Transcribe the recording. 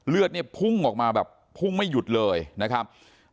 เลือดเนี่ยพุ่งออกมาแบบพุ่งไม่หยุดเลยนะครับ